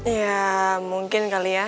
ya mungkin kali ya